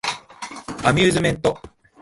アミューズメント